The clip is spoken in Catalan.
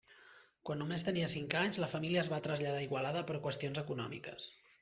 Quan només tenia cinc anys, la família es va traslladar a Igualada per qüestions econòmiques.